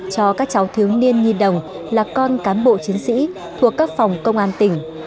cho các cháu thướng niên nhi đồng là con cán bộ chiến sĩ thuộc các phòng công an tỉnh